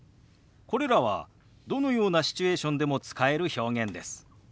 これらはどのようなシチュエーションでも使える表現です。